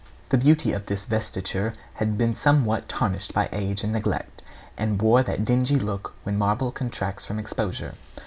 The beauty of this vesture had been somewhat tarnished by age and neglect, and wore that dingy look which marble contracts from exposure.